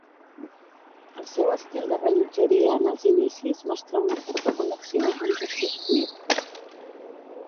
El seu estil de rellotgeria en els inicis mostra una forta connexió amb Joseph Knibb.